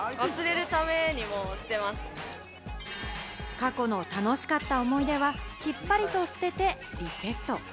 過去の楽しかった思い出はきっぱりと捨ててリセット。